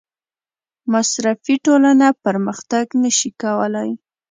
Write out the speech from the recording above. مصرفي ټولنه پرمختګ نشي کولی.